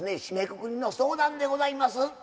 締めくくりの相談でございます。